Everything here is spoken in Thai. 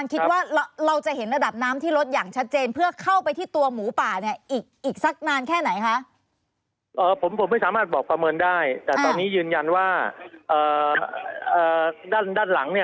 เขายังเติมถูกเติมมาจากด้านหลัง